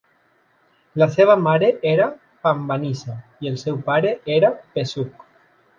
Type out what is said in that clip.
La seva mare era Panbanisha i el seu pare era P-suke.